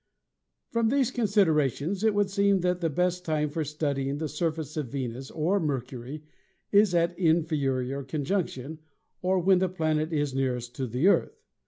From these considerations it would seem that the best time for studying the surface of Venus or Mercury is at inferior conjunction, or when the planet is nearest to the Earth.